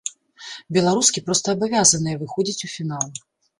Беларускі проста абавязаныя выходзіць у фінал.